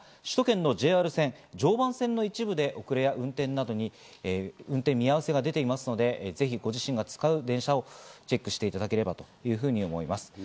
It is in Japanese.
首都圏のＪＲ線、常磐線の一部で遅れや運転見合わせなどが出ていますので、ご自身が使う電車をチェックしていただければというふうに思います。